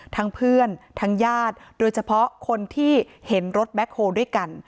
เพื่อนทั้งญาติโดยเฉพาะคนที่เห็นรถแบ็คโฮลด้วยกัน